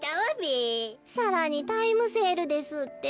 さらにタイムセールですって。